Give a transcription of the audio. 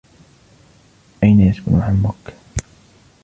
أين يسكن عمك ؟